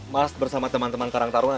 mas bersama teman teman karang taruna